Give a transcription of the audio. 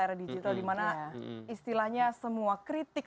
era digital dimana istilahnya semua kritik